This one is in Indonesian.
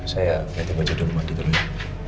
saya ganti baju dulu mandi dulu